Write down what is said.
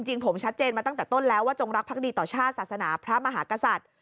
จริงผมชัดเจนมาตั้งแต่ต้นแล้วว่าจงรักภักดีต่อชาติศาสนาพระมหากษัตริย์